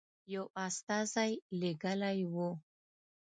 یو استازی لېږلی وو.